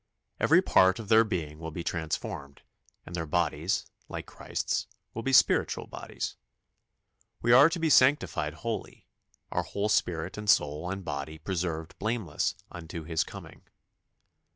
Every part of their being will be transformed, and their bodies, like Christ's, will be spiritual bodies. We are to be sanctified wholly; our whole spirit and soul and body preserved blameless unto His coming.